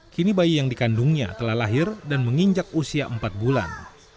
kini bayi yang dikandungnya telah lahir dan menginjak usia empat bulan